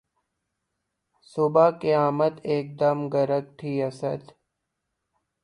صبح قیامت ایک دم گرگ تھی اسدؔ